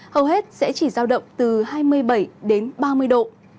hầu hết sẽ chỉ giao động từ hai mươi bảy đến ba mươi độ